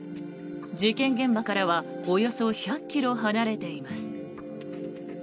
事件現場からはおよそ１００ｋｍ離れています。